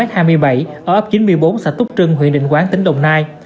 tập chín mươi bốn xã túc trưng huyện đình quán tỉnh đồng nai